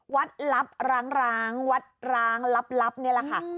ลับร้างวัดร้างลับนี่แหละค่ะ